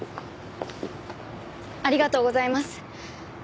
ありがとうございます。